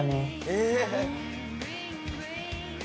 えっ。